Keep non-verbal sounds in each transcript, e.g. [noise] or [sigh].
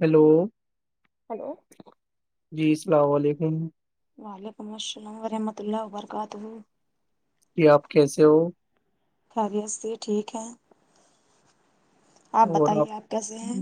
hello hello جی السلام علیکم وعلیکم السلام ورحمۃ اللہ وبرکاتہ ج آپ کیسے ہو خبس یہ ٹھیک ہے اور آپ کیسے ہیں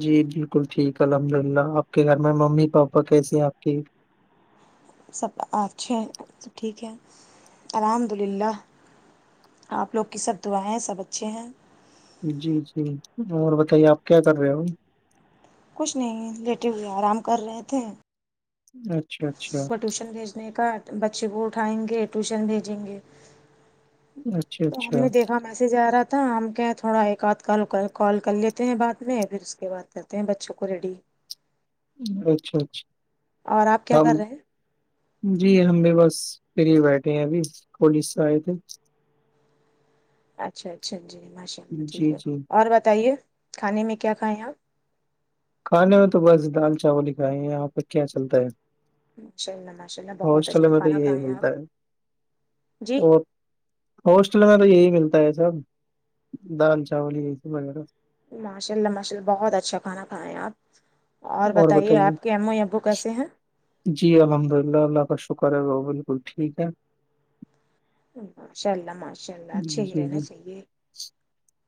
جی بالکل ٹھیک الحمد للہ آپ کے گھر میں ممی پاپا کیسے ہیں آپ کی سب اچھے ہیں سب ٹھیک ہے الحمد للہ آ لوگ کی سب دعایں ہیں سب اچھے ہیں جی جی اور بتائیے آپ کیا کر رہے ہو اائی کچھ نہیں لیٹے ہوئے آرام کر رہے تھے اچھا اچھا کو ٹیوشن بھیجنے کا بچے کو اٹھائیں گے ٹیوشن بھیجیں گے اچھا تو ہم اچھا نے دیکھا میسج آ رہا تھا ہم کہ تھوڑا ایک آدھ کال کال کر لیتے ہیں بعد میں پھر اس کے بعد کرتے ہیں بچوں کو ریڈی اچھا اچھا اور آپ کیا کر ہم رہے ہیں جی ہم بھی بس پری ہی بیٹھے ہیں ابھی پلیس سے آئے تھے اچھا اچھا جی ماشاء اللہ ٹھیک جی ہے جی اور بتائیے کھانے میں کیا کھائیں آپ کھانے میں تو بس دال چاول ہی کھائیں گے یہاں پہ کیا چلتا ہے ماشاء اللہ ماشاء اللہ بہت ہاسٹل اچھا میں تو کھانا یہی کھائیں آپ ملتا ہے جی ہواسٹل میںیر تو یہی ملتا ہے سب دال چاول یہی سب وغیرہ س ماشا اللہ مشء اللہ بہت اچھا کھانا کھائیں آپ اور بتائیے آپ کے امو ابو کیسے ہیں جی الحمد اللہ اللہ کا شکر ہے ب بالکل ٹھیک ہے ماشاء اللہ ماشاء اللہ چی جی رہ نے جی چیے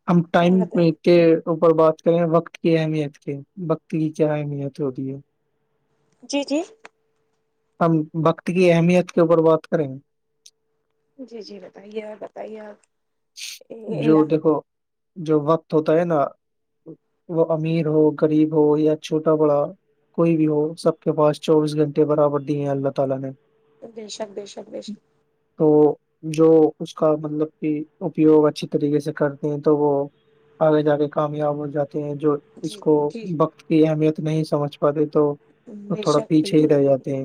ہم اور ٹائم کے اوپر بات کریں وقت کی اہمیت کے وقت کی کیا اہمیت ہوتی ہے جی جی ہم بقت کی اہمیت کے اوپر بات کریں گے جی جی بتائیے بتائیے آپ جو الا- دیکھو جو وقت ہوتا ہے نا وہ امیر ہو غریب ہو یا چھوٹا بڑا کوئی بھی ہو سب کے پاس چوبیس گھنٹے برابر دی ہیں اللہ تعالی نے دشک دےشک دیشک تو جو اس کا مطلب کہ اپیوگ اچھی طریقے سے کرتے ہیں تو وہ آگے جا کے کامیاب ہو جاتے ہیں جو اس جی کو جی وقت کی اہمیت نہیں سمجھ پاتے تو وہ تھوڑا پیچھے ہی رہ جاتے ہیں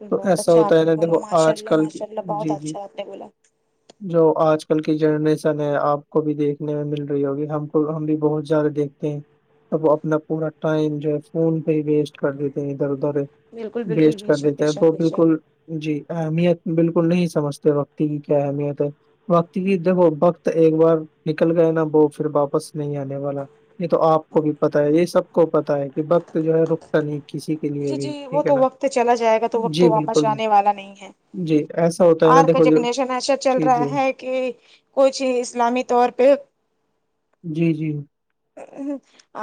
ل تو بہت ایسا اچھا ہوتا آپ ہے نا بولا دیکھو ماشاء آج اللہ کل کی ماشاء اللہ بہت جی جی اچھا آپ نے بولا جو آج کل کی جنریشن ہے آپ کو بھی دیکھنے میں مل رہی ہوگی ہم کو ہم بھی بہت زیادہ دیکھتے ہیں اب اپنا پورا ٹائم جو ہے فون پہ ہی ویسٹ کر دیتے ہیں ادھر ادھر بالکل بالکل وسٹ بے کر شک دیتے بے ہے شک تو بے شک بالکل جی اہمیت بالکل نہیں سمجھتے وقت کی کیا اہمیت ہے وقت کی دیکھو وقت ایک بار نکل گیا نا وہ پھر واپس نہیں آنے والا یہ تو آپ کو بھی پتا ہے یہ سب کو پتا ہے کہ بکت جو ہے رک جی جی وہ تو وقت چلا جائے گا تو وقت جی واپس بالکل آنے والا نہیں ہے جی ایسا ہوتا ہے نا ار دیکھو جو جگنیشن ایسا چل جی جی رہا ہے کہ کچھ اسلامی طور پہ جی جی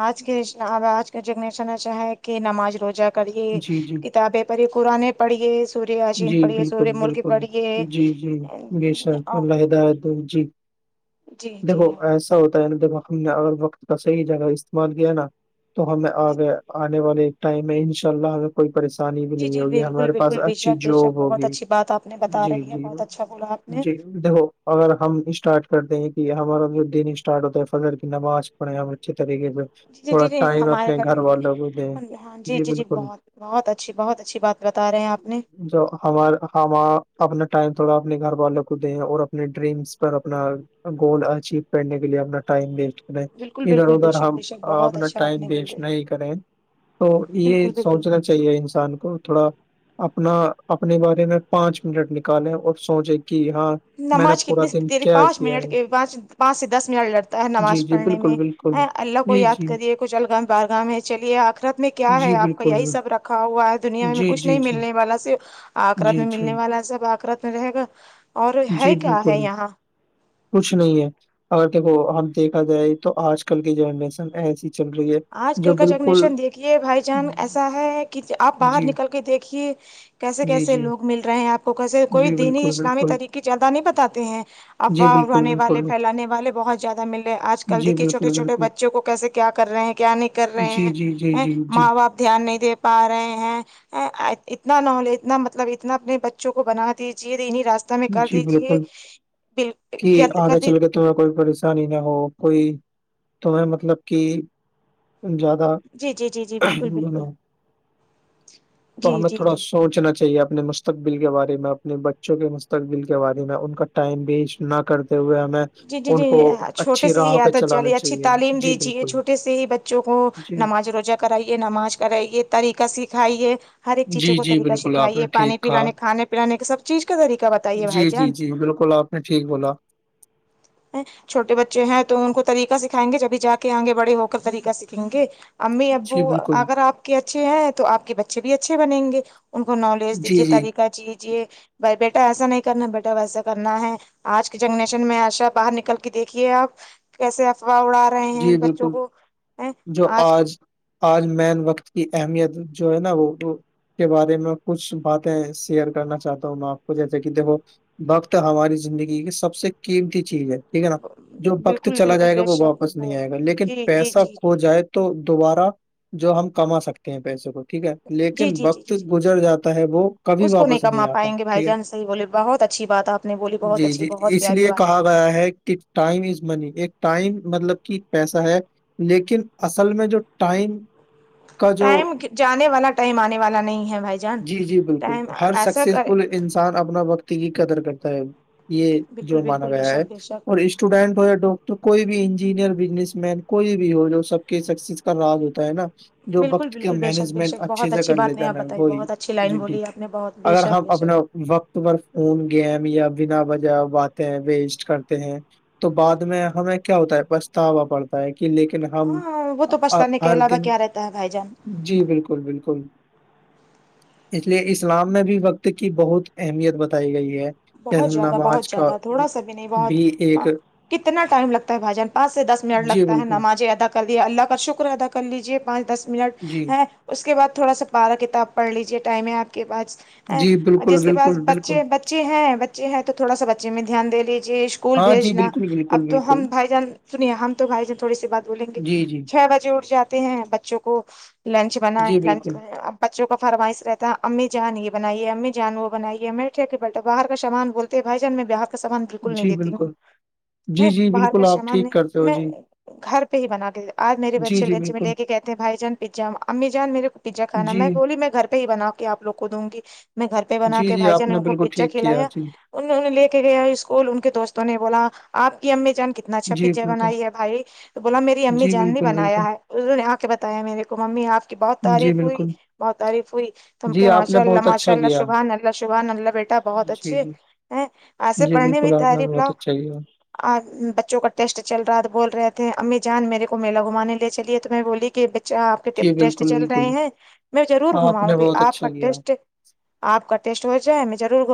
آج کے آج کا جنریشن ایھا ہے کہ نماز روجہ کبھی جی جی کتابیں پر ہی پا پڑھیے سوریہ یسین جی پڑھیے سوریہ بالکل مللک بالکل پڑھیے جی جی بے شک اللہ ہدایت جی جی جی دیکھو ایسا ا ہوتا ہے نا دیکھو ہم نے اگر وقت کا صحیح جگہ استعمال کیا نا تو ہم آگے آنے والے ٹائم میں ان شاء اللہ ہمیں کوئی پریشانی بھی جی نہیں جی ہوگی بالکل ہمارے پاس بالکل بے اچھی شک بے جاب شک بہت ہوگی اچھی بات آپ نے بتا جی رہی ہے جی بہت اچھا بولا آپ نے جی دیکھو اگر ہم اسٹارٹ کرتے ہیں کہ ہمارا جو دن اسٹارٹ ہوتا ہے فضر کی نماز پڑھے ہم اچھی طریقیے سے جی جی تھوڑا جی جی ٹائم ہمارے اپنے گھر میں بھی والوں کو دیں ہاں جی جی جی بہت بہت اچھی بہت اچھی بات بتا رہے ہیں آپ نے جو ہمار ہم اپنا ٹائم تھوڑا اپنے گھر والوں کو دیں اور اپنے ڈریمز پر اپنا گول اچیو کرنے کے لیے اپنا ٹائم دے بالکل ادھر بالکل بے ادھر شک ہم بے شک بہت اپنا اچھا آپ ٹائم نے بول وسٹ رہے نہیں کریں تو یہ بالکل بالکل سوچنا چاہیے انسان کو تھوڑا اپنا اپنے بارے میں پانچ منٹ نکالے اور سوچے کہ ہاں میں نے نماز پورا کتنی دن تری کیا پانچ کیا منٹ ہے کے پانچ سے دس منٹ لگتا ہے جی نماز جی پڑھنے بالکل میں بالکل ہاں اللہ کو جی یاد جی کریے کچھ الگم بارگاہ میں چلیے آخرت میں کیا ہے جی آپ کا بالکل یہی سب رکھ رکھا ہوا ہے دنیا میں جی کچھ جی نہیں جی ملنے والا سے آخرت جی میں جی ملنے والا سب آخرت میں رہے گا اور ہے جی کیا بالکل ہے یہاں کچھ نہیں ہے اگر دیکھو اب دیکھا جائے تو آج کل کی جنریشن ایسی چل رہی ہے آج جو کل کا بالکل جنریشن دیکھیے بھائی جان ایسا ہے کہ آپ باہر جی نکل کے دیکھیے کیسے جی کیسے جی لوگ مل رہے ہیں آپ کو کیسے کوئی جی دینی بالکل اسلامی بالکل طریقی زیادہ نہیں بتاتے ہیں جی افواہ بالکل اڑانے والے بالکل پھیلانے والے بہت زیادہ مل رہے آج کل جی دیکھیے چھوٹے بالکل چھوے بالکل بچوں کو کیسے کیا کر رہے ہیں کیا نہیں کر رہے جی جی جی ہیں جی جی ماں باپ دھیان نہیں دے پا رہے ہیں اے اتنا نالیج نا مطلب اتنا اپنے بچوں کو بنا دیجیے انہیں راستے ہمیں کر جی دیجیے بالکل کت کر دیجے تمیں کوئی پریشانی نہ ہو کوئی تمیں مطلب کہ جی جی جی جی بالکل بالکل [unintelligible] تو جی ہمیں جی تھوڑا جی سوچنا چاہیے اپنے مسل مستقبل کے بارے میں اپنے بچوں کے مستقبل کے بارے میں ان کا ٹائم ویسٹ نہ کرتے ہوئے ہمیں جی جی جی ان کو چھوٹے اچھی سے راہ ہی پہ عادت چلانا جالی اچھی چاہیے تعلیم جی دیجیے بالکل چھوٹے سے ہی بچوں کو جی نماز روجہ کرائیے نماز کرائیے طریقہ سکھائیے ہر ایک چیزوں جی کو جی طریقہ بالکل آپ سکھائیے نے پانی ٹھیک کہا پلانے کھانے پلانے کے سب چیز کا طریقہ بتائیے بھائی جی جی جان جی بالکل آپ ٹھیک بولا چھوٹے بچے ہیں تو ان کو طریقہ سکھائیں گے جبھی جا کے آگے بڑے ہو کر طریقہ سیکھیں گے امی ابو جی بالکل اگر آپ کے اچھے ہیں تو آپ کے بچے بھی اچھے بنیں گے ان کو نالج جی دیجیے جی طریقہ چیے بھائی بیٹا ایسا نہیں کرنا بیٹا ویسا کرنا ہے آج کی جنگریشن میں آشا باہر نکل کے دیکھیے آپ کیسے افواہ اڑا رہے رہے ہیں جی بچوں بالکل کو آج کے آج مین وقت کی اہمیت جو ہے نا وہ وہ کے بارے میں کچھ باتیں شیئر کرنا چاہتا ہوں میں آپ کو جیسے کہ دیکھو وقت ہماری زندگی کی سب سے قیمتی چیز ہے ٹھیک ہے نا جو وقت بالکل چلا بالکل جائے گا بے وہ شک واپس نہیں آئے گا لیکن جی جی جی پیسہ جی کھو جی جائے تو دوبارہ جو ہم کما سکتے ہیں پیسے کو ٹھیک ہے جی لیکن جی وقت جی جی گزر جاتا ہے وہ کبھی اس کو واپس نہیں کما آتا پائیں گے بھائی ٹھیک ہے جان صحیح بولے بہت اچھی بات آپ نےولی بہت جی اچھی جی بہت اس پی لیے بات کہا ہے کہ ٹائم از منی ایک ٹائم مطلب کی پیسہ ہے لیکن اصل میں جو ٹائم کا جو ٹائم جانے والا ٹائم آنے والا نہیں ہے بھائی جان جی جی بالکل ٹائم ہر ایسا کرے سکسیسفل انسان اپنا وقتی کی قدر کرتا ہے یہ جو بالکل مانا بالکل بے گیا ہے شک بے شک اور اس اسٹوڈینٹ ہو یا ڈاکٹر کوئی بھی سینئر بزنس مین کوئی بھی ہو جو سب کے سکسیس کا راج ہوتا ہے نا جو بالکل وقت کے بالکل بے شک بے مینجمنٹ شک اچھے بہت سے اچھی کر بات نہیں لیتا آپ نا بتائی وہی بہت اچھی لائن جی بولی آپ نے بہت بے اگر شک ہم بے اپنا شک وقت تمہار فون گیم یا بنا وجہ باتیں ہیں ویسٹ کرتے ہیں تو بعد میں ہمیں کیا ہوتا ہے پچھتاوا پڑتا کہ لیکن ہم ہاں وہ تو پچھتانے کے ہر علاوہ دن کیا رہتا ہے بھائی جان جی بالکل بالکل اس لیے اسلام میں بھی وقت کی بہت اہمیت بتائی گئی ہے جیسے بہت زیادہ نماز بہت کا زیادہ تھوڑا سا بھی نہیں بہتاں کتنا ٹائم لگتا ہے بھائی جان پانچ سے دس منٹ جی لگتا ہے بالکل نمازیں ادا کر دیا اللہ کا شکر ادا کر لیجیے پانچ دس منٹ جی ہیں اس کے بعد تھوڑا سا بارہ کتاب پڑھ لیجیے ٹائم ہے آپ کے پاس جی بالکل جس کے پاس بالکل بالکل بچے بچے ہیں بچے ہیں تو تھوڑا سا بچے میں دھیان دے لیجیے اسکول ہاں جی بھیجنا بالکل بالکل اب تو بالکل ہم بھائی جان سنیے ہم تو بھائی جان تھوڑی سی بات بولیں گے جی جی چھ بجے اٹھ جاتے ہیں بچوں کو لنچ بنائے جی لنچ بالکل بچوں کا فرمائش رہتا امی جان یہ بنائیے امی جان وہ بنائی ہے میںٹ بٹا باہر کا سامان بولتے ہیں بھائی جان میں باہر کا سامان بالکل نہیں جی دیتی ہوں بالکل جی جی باہر کا بالکل آپ سامان ٹھیک نہیں کرتے ہو میں جی گھر پہ ہی بنا لیتا آج میرے جی بچے جی لنچ میں بالکل لے کہتےے بائی جان پیز امی جان میرے کو پزا کانا جی میں بولی میں گھرہ ہی بناؤوں آ لوگ کو دوں گی میں گھر پہ بنا جی کے جی بھائی آپ جان نے ان کو بالکل پچر ٹھیک کیا کھلایا جی انہوں نے لے کے گیا اسکول ان کے دوستوں نے بولا آپ کی امی جان کے اتنا اچھا جی پیزا بالکل بنائی ہے بھائی تو بولا میری امی جی جان نے بالکل بنایا بالکل ہے اسہ نے آ کے بتایا میرے کو ممی آپ بہت جی تعریف ہوئی بالکل بہت تعریف ہوئی تم جی کہ آپ ماشاء نے اللہ بہت ماشاء اچھا اللہ کیا شبان اللہ شبحان اللہ بیٹا بہت جی اچھے جی ہیں ایسے جی پڑھنے میں بالکل آپ نے تعریف بہت لاؤ اچھا کیا آ بچوں کا ٹیسٹ چل رہا تھا بول رہے تھے امی جان میرے کو میلا گھمانے لے چلیے تو میں بولی کہ آپ کے جی ٹیسٹ بالکل چل رہے بالکل ہیں میں ضرور ہاں آپ نے گھاؤں گی بہت آپ کا اچھا کیا ٹیسٹ آپ کا ٹیسٹ ہو جائے ضرور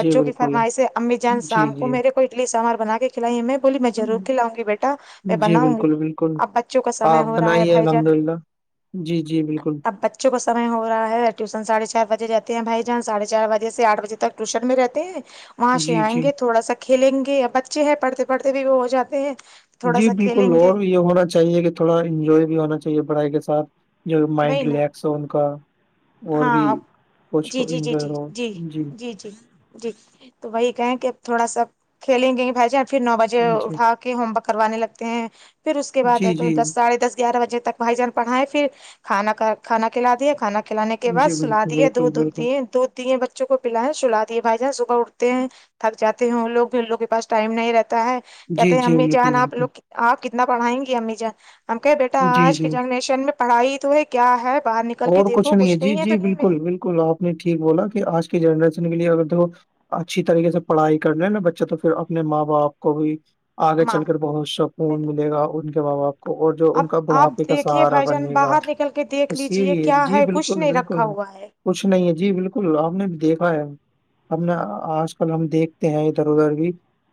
جی کی بالکل فرمائش سے امی جان جی شام کو جی میرے کو اڈلی ساموار بنا کے کھلائیے میں بولی میں ضرور کھلاؤں گی بیٹا میں جی بناؤں گی بالکل بالکل اب بچوں کا سمے آپ ہو رہا ہے بنائیے بھائی جان الحمد للہ جی جی بالکل اب بچوں کا سم ہو رہا ٹیوشن سڑھے چار بجے رہتے ہیں بھائی جان ساھے چار بجے سے آھ بجے ٹوشن میں رہتے ہیں وہاں ش جی آئیں جی گے تھوڑا سا کھیلیں گے بچے ہیں پڑھتے پڑھتے بھی وہ ہو جاتے ہیں تھوڑا جی سا بالکل کھیلیں گے اور یہ ہونا چاہیے کہ تھوڑا انجوائے بھی ہونا چاہیے پڑھائی کے ساتھ جو مائنڈ وہی نا ریلیکس ہو ان کا اور بھی ہاں کچھ جی جی جی انجوائے جی ہو جی جی جی جی تو وہی کہیں کہ اب تھوڑا سا کھیلیں گے گے بھائی جان پھر نو بجے جی اٹھا کے ہوم ورک کروانے لگتے ہیں پھر اس کے بعد ہے جی تو جی دس ساڑھے دس گیارہ بجے تک بھائی جان پڑھائے پھر کھا کانا کھلا دے کھانا کھلے کے کے بعد جی سلا بالکل دیے بالکل دودھ بالکل دی دوودھ دی بچے بچوں کو پلیں سلا دیے بھائی جان صبح اٹتے ہیں تھک جاتے ہیں وہ لوگ بھی ان لوگ کے پس ٹائم نہیں رہتا ہے جی کہتے ہیں جی ہممی بالکل جانا آ بالکل لوگ آپ کتنا پڑھائیں گی امی جا ہم کہے بیٹا جی آج کے جی جنریشن میں پڑھائی تو ہے کیا ہے باہر نکل کے اور دیکھو نہیں ہے کچھ جی نہیں ہے جی دنیا میں بالکل بالکل آپ نے ٹھیک بولا کہ آج کے جنریشن کے لیے اگر تو اچھی طریقے سے پڑھائی کرنے نا بچہ تو پھر اپنے ماں باپ کو بھی آگے ماں چل کر بہت سکون ملے گا ان کے ب باپ اور جو اب ان کا بڑھاپے کا سہارا بننے کا ل کے دیکھ لییا جی جی بالکل بالکل کچھ نہیں ہے جی بالکل آپ نے بھی دیکھا ہے ہم نے آج کل ہم دیکھتے ہیں ادھر ادھر بھی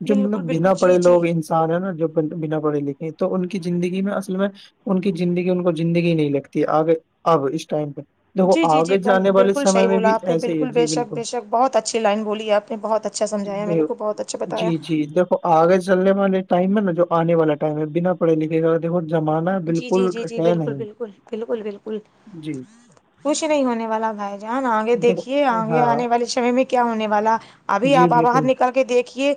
جو مطلب بالکل بنا بالکل جی پڑے جی لوگ ہے نا جو بنا پڑھے لکھے تو ان کی زندگی میں اصل میں ان کی زندگی ان کو زندگی نہیں لگتی آگے اب اس ٹائم پر دیکھو جی جی جی آگے جانے والے بالکل سمے صحیح میں بھی بولا آپ نے ایسے ہی ہے بالکل بے جی شک بالکل بے شک بہت اچھی لائن بولی آپ نے بہت اچھا سمجھایا ج میرے کو بہت اچھا بتایا جی جی دیکھو آگے چلنے والے ٹائم ہے نا جو آنے والا ٹائم ہے بنا پڑے لکھے کا دیکھو زمانہ جی بالکل جی جی جی ہے بالکل نہیں بالکل بالکل بالکل جی کچھ نہیں ہونے والا بھائی جان آگے دیکھیے دیکھو آگے ہاں آنے والے سمے میں کیا ہونے والا ابھی جی آپ باہر بالکل نکل کے دیکھیے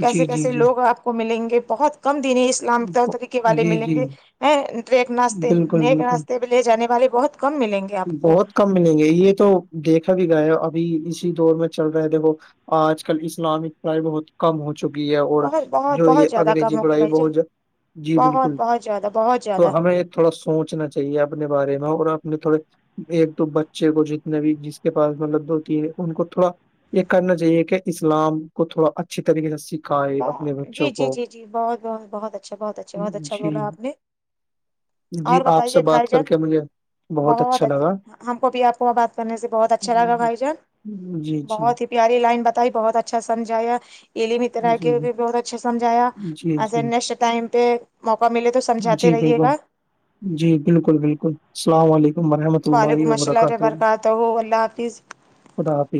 کیسے جی جی کیسے جی لوگ آپ کو ملیں گے بہت کم دن اسلام طریقے والے جی ملیں جی گے ا نیک ناستے بالکل نیک بالکل ناستے پہ لے جانے والے بہت کم ملیں گے آپ کو بہت کم ملیں گے یہ تو دیکھا بھی گا ہے ابھی اسی دور میں چل رہے تھے وہ آج کل اسلامک پڑھائی بہت کم ہوتی چکی ہے اور بہت بہت جو یہ بہت زیادہ انگریزی کم پڑھائی بہت جی بالکل ج زدہ بہت تو زیادہ ہمیں تھوڑا سوچنا چاہیے اپنے بارے میں اور اپنے تھوڑے ایک دو بچے کو جتنے بھی جس کے پاس مطلب دو تین ان کو تھوڑا یہ کرنا چاہیے کہ اسلام کو تھوڑا اچھی طریقے سے سیکھ جی جی جی جی بہت بہت بہت اچھا بہت اچھا بہت اچھا جی بولا آپ نے جی اور آپ سے بتائیے بر بات کر جن کے مجھے بہت اچھا اچ لگا ہم کو بھی آپ کو بات کرنے سے بہت اچھا لگا بھائی جان جی جی بہت ہی پیاری لائن بتائی بہت اچھا سمھایا علی مترا جی کے بھی بہت اچھ سمجھایا جی جی ایسے نیکسٹ ٹائم پہ موقع ملے تو سمجھاتے جی رہیے بالکل گا جی بالکل بالکل السلام علیکم مرحمت الائی وعلیکم رکھ السلام تو وبرکاتہ اللہ حافظ خد حف